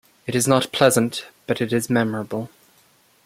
It is not pleasant but it is memorable.